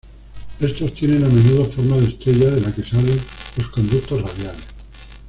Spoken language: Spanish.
Estos tienen a menudo forma de estrella de la que salen los conductos radiales.